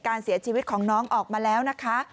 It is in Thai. การเสียชีวิตของน้องออกมาแล้วนะคะ